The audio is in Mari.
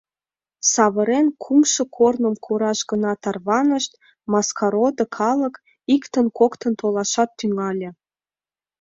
Савырнен, кумшо корным кораш гына тарванышт — Маскародо калык иктын-коктын толашат тӱҥале.